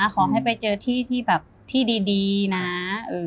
ขอให้ไปเจอที่ที่แบบที่ดีนะ